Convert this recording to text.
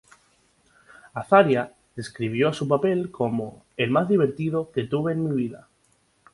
Azaria describió a su papel como "el más divertido que tuve en mi vida".